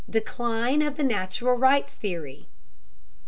DECLINE OF THE NATURAL RIGHTS THEORY.